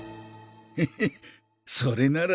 ヘヘッそれなら。